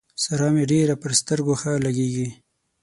سارا مې ډېره پر سترګو ښه لګېږي.